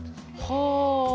はあ。